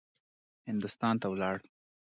هندوستان ته ولاړ.